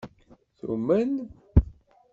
Tumen?